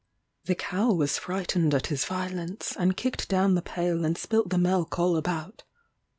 The cow was frightened at his violence, and kicked down the pail and spilt the milk all about.